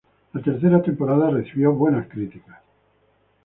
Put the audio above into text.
La tercera temporada recibió buenas críticas.